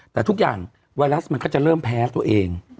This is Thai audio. แต่ทุกอย่างไวรัสมันก็จะเริ่มแพ้ตัวเอง